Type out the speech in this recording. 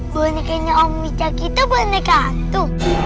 bonekanya om wicca gitu boneka itu